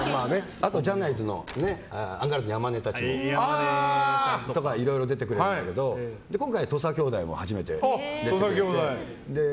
あとアンガールズの山根とかいろいろ出てくれるんだけど今回、土佐兄弟が初めて出てくれて。